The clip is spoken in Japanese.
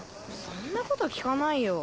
そんなこと聞かないよ。